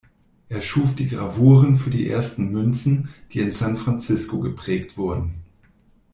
Er schuf die Gravuren für die ersten Münzen, die in San Francisco geprägt wurden.